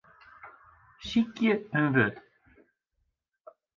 Sykje in wurd.